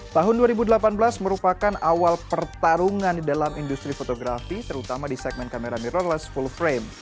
tahun dua ribu delapan belas merupakan awal pertarungan di dalam industri fotografi terutama di segmen kamera mirrorless full frame